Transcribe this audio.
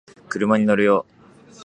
車に乗るよ